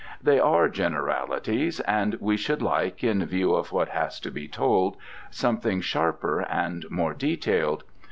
They are generalities, and we should like, in view of what has to be told, something sharper and more detailed.